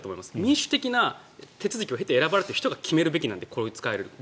民主的な手続きを経て選ばれた人が決めるべきなのでこれに使えるって。